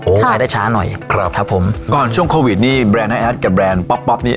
รายได้ช้าหน่อยครับครับผมก่อนช่วงโควิดนี่แบรนด์ไอแอดกับแรนด์ป๊อปป๊อปนี้